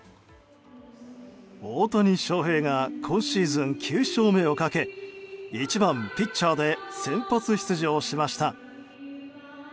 大谷翔平が今シーズン９勝目をかけ１番ピッチャーで先発出場しました。